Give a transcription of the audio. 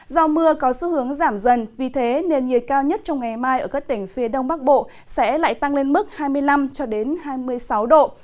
do mưa có xu hướng giảm dần vì thế nền nhiệt cao nhất trong ngày mai ở các tỉnh phía đông bắc bộ sẽ lại tăng lên mức hai mươi năm hai mươi sáu độ